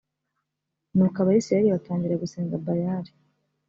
nuko abisirayeli batangira gusenga bayali